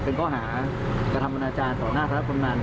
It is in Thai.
เป็นข้อหากระทำวันอาจารย์ของหน้าศาสตร์คนมัน